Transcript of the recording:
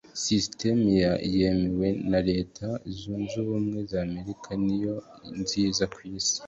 sisitemu yemewe muri reta zunzubumwe zamerika niyo nziza kwisi